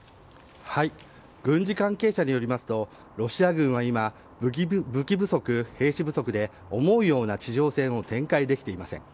軍事関係者によりますとロシア軍は今武器不足、兵士不足で思うような地上戦を展開できていません。